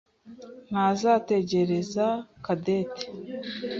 ntazategereza Cadette.